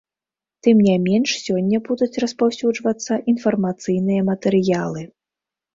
Тым не менш сёння будуць распаўсюджвацца інфармацыйныя матэрыялы.